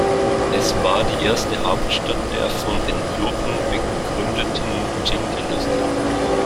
Es war die erste Hauptstadt der von den Jurchen begründeten Jin-Dynastie.